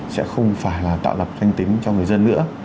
sẽ không phải là tạo lập danh tính cho người dân nữa